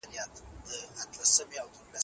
د مطالعې فرهنګ پیاوړتیا د ټولو لپاره لازم دی.